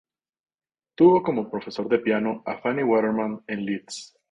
Tuvo como profesor de piano a Fanny Waterman en Leeds.